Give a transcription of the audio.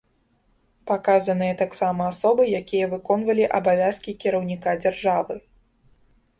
Паказаныя таксама асобы, якія выконвалі абавязкі кіраўніка дзяржавы.